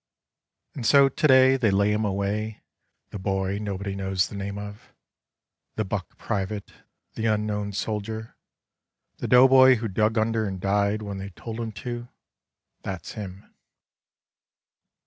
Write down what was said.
And so to day — they lay him away — the boy nobody knows the name of — the buck private — the unknown soldier — the doughboy who dug under and died when they told him to — that's him.